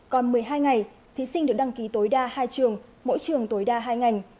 còn một mươi hai ngày thí sinh được đăng ký tối đa hai trường mỗi trường tối đa hai ngành